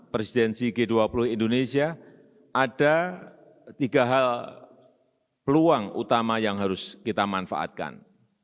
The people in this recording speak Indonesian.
presidensi g dua puluh indonesia ada tiga hal peluang utama yang harus kita manfaatkan